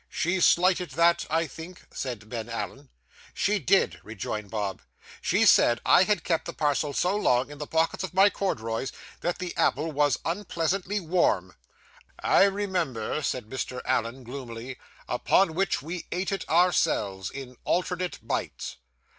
'She slighted that, I think?' said Ben Allen. 'She did,' rejoined Bob. 'She said I had kept the parcel so long in the pockets of my corduroys, that the apple was unpleasantly warm.' 'I remember,' said Mr. Allen gloomily. 'Upon which we ate it ourselves, in alternate bites.